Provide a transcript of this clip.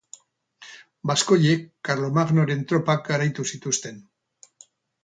Baskoiek karlomagnoren tropak garaitu zituzten.